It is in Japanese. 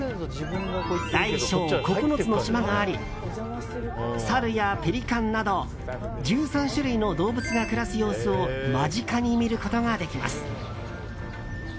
大小９つの島がありサルやペリカンなど１３種類の動物が暮らす様子を間近に見ることができます。